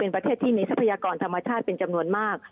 เป็นประเทศที่มีทรัพยากรธรรมชาติเป็นจำนวนมาก